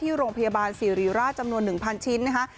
โรงพยาบาลศิริราชจำนวน๑๐๐ชิ้นนะคะ